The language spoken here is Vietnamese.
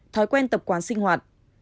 thói quen tập quán sinh hoạt